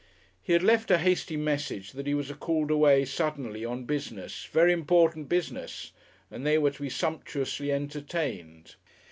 He had left a hasty message that he was called away suddenly on business, "ver' important business," and they were to be sumptuously entertained.